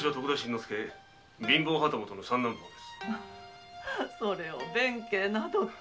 まぁそれを弁慶などと。